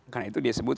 karena itu dia sebut